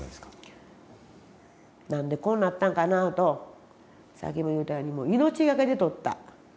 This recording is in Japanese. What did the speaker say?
「なんでこうなったんかなあ」とさっきも言うたように命がけで取った。